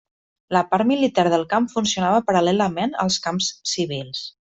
La part militar del camp funcionava paral·lelament als camps civils.